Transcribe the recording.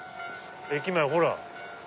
駅前ほら。